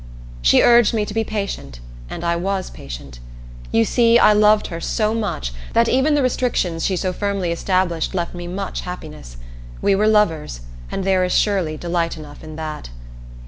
She urged me to be patient, and I was patient. You see, I loved her so much that even the restrictions she so firmly established left me much happiness. We were lovers, and there is surely delight enough in that.